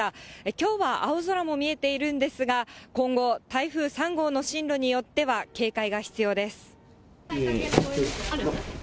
きょうは青空も見えているんですが、今後、台風３号の進路によっては、警戒が必要です。